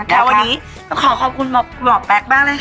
แต่วันนี้ขอขอบคุณหมอแป๊กบ้างนะคะ